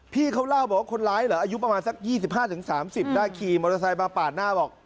พี่เขาเล่าบอกว่าคนร้ายเหรออายุประมาณสัก๒๕๓๐ได้ขี่มอเตอร์ไซค์มาปาดหน้าบอก